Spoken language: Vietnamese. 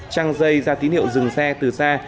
trăng dây ra tín hiệu dừng xe từ xa